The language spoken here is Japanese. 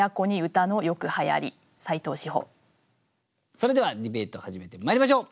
それではディベートを始めてまいりましょう。